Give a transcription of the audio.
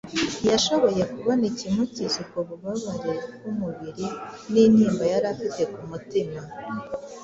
Ntiyashoboye kubona ikimukiza ubwo bubabare bw’umubiri n’intimba yari afite ku mutima,